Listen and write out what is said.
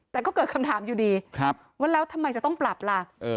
แต่ก็เกิดคำถามอยู่ดีว่าแล้วทำไมจะต้องปรับล่ะ